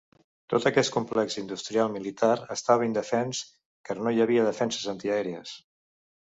Tot aquest complex industrial militar estava indefens car no hi havia defenses antiaèries.